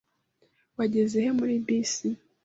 Wageze he muri bisi?